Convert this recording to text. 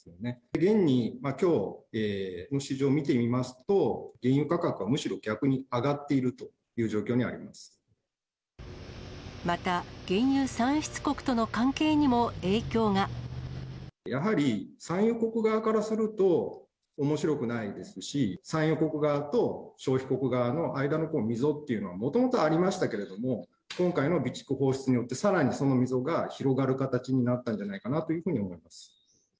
現にきょうの市場を見てみますと、原油価格はむしろ逆に上がっていまた原油産出国との関係にもやはり、産油国側からするとおもしろくないですし、産油国側と消費国側の間の溝っていうのはもともとありましたけれども、今回の備蓄放出によって、さらにその溝が広がる形になったんじゃないかなというふうに思います。